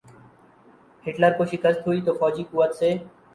Hitler کو شکست ہوئی تو فوجی قوت سے۔